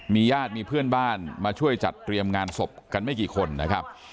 ญาติมีเพื่อนบ้านมาช่วยจัดเตรียมงานศพกันไม่กี่คนนะครับ